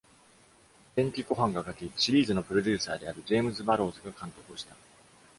Jenki Kohan が書き、シリーズのプロデューサーである James Burrows が監督をした。